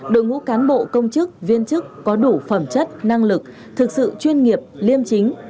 đội ngũ cán bộ công chức viên chức có đủ phẩm chất năng lực thực sự chuyên nghiệp liêm chính